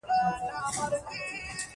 او په دوا باندې یې پوهیدل هم ستونزمنه ده